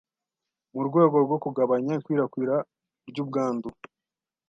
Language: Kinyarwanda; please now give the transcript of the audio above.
mu rwego rwo kugabanya ikwirakwira ry’ubwandu.